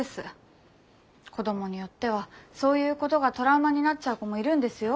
子どもによってはそういうことがトラウマになっちゃう子もいるんですよ。